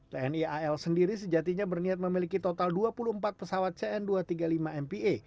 cn dua ratus tiga puluh lima sendiri sejatinya berniat memiliki total dua puluh empat pesawat cn dua ratus tiga puluh lima mpe